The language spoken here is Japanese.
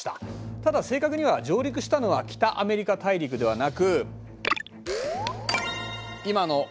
ただ正確には上陸したのは北アメリカ大陸ではなく。